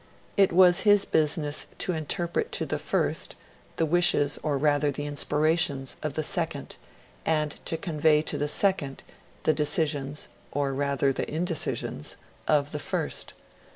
It was his business to interpret to the first the wishes, or rather the inspirations, of the second, and to convey to the second the decisions, or rather the indecisions, of the first.